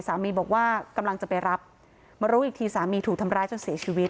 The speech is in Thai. สามีบอกว่ากำลังจะไปรับมารู้อีกทีสามีถูกทำร้ายจนเสียชีวิต